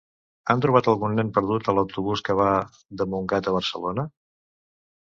Han trobat algun nen perdut a l'autobús que va de Montgat a Barcelona?